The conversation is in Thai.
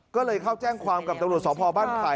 ก็เลยเข้าแจ้งความกับตำรวจสพบ้านไผ่